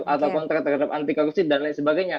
atau kontrak terhadap anti korupsi dan lain sebagainya